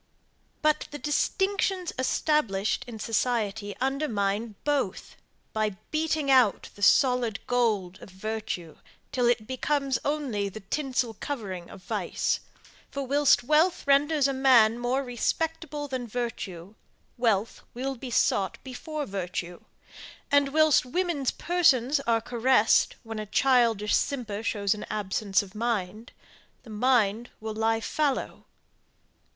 But, the distinctions established in society undermine both, by beating out the solid gold of virtue, till it becomes only the tinsel covering of vice; for, whilst wealth renders a man more respectable than virtue, wealth will be sought before virtue; and, whilst women's persons are caressed, when a childish simper shows an absence of mind the mind will lie fallow.